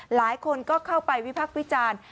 หลายคนก็เข้าไปวิพักษ์วิจารณ์